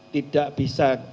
tidak bisa dipakai di pengadilan